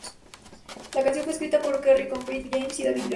La canción fue escrita por Carrie con Brett James y David Garcia.